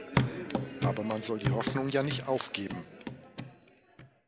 Aber man soll die Hoffnung ja nicht aufgeben.